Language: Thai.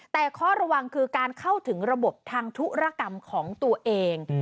แต่ข้อระวังคือการเข้าถึงระบบทางธุรกรรมของตัวเอง